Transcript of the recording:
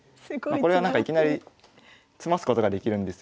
まあこれはなんかいきなり詰ますことができるんですよ。